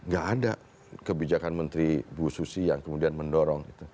gak ada kebijakan menteri ibu susi yang kemudian mendorong